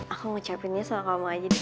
aku ngucapinnya sama kamu aja deh